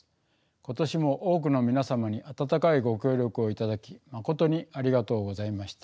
今年も多くの皆様に温かいご協力を頂きまことにありがとうございました。